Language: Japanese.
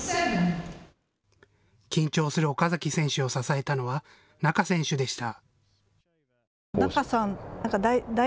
緊張する岡崎選手を支えたのは仲選手でした。